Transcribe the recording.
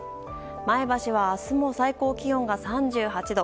前橋は明日も最高気温が３８度。